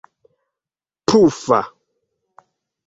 pufa